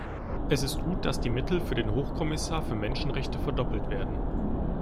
Es ist gut, dass die Mittel für den Hochkommissar für Menschenrechte verdoppelt werden.